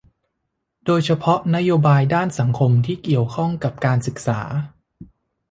โดยเฉพาะนโยบายด้านสังคมที่เกี่ยวข้องกับการศึกษา